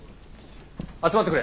集まってくれ。